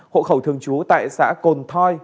hộ khẩu thường trú tại xã cồn thoi